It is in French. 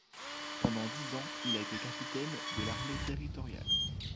Pendant dix ans, il a été capitaine de l'armée territoriale.